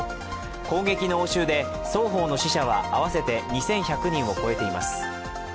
攻撃の応酬で双方の死者は合わせて２１００人を超えています。